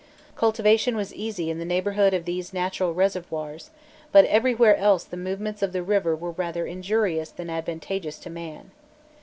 [*] Cultivation was easy in the neighbourhood of these natural reservoirs, but everywhere else the movements of the river were rather injurious than advantageous to man.